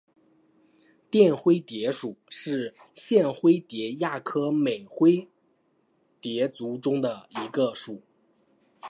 绽灰蝶属是线灰蝶亚科美灰蝶族中的一个属。